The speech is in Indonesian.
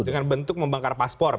dengan bentuk membangkar paspor